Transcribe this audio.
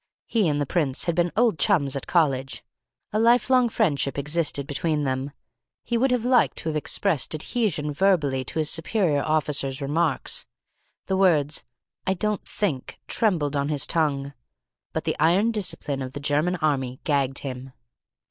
He and the prince had been old chums at college. A life long friendship existed between them. He would have liked to have expressed adhesion verbally to his superior officer's remarks. The words "I don't think" trembled on his tongue. But the iron discipline of the German Army gagged him.